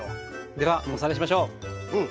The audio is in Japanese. ではおさらいしましょう。